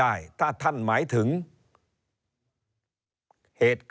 เริ่มตั้งแต่หาเสียงสมัครลง